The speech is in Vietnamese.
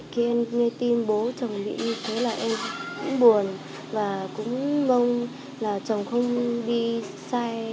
khi em nghe tin bố chồng bị như thế là em cũng buồn và cũng mong là chồng không đi sai